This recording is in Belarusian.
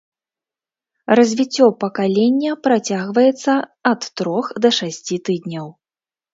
Развіццё пакалення працягваецца ад трох да шасці тыдняў.